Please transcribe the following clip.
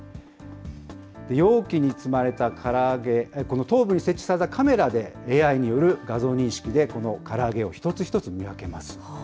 容器に積まれたから揚げ、この頭部に設置されたカメラで、ＡＩによる画像認識で、このから揚げを一つ一つ見分けます。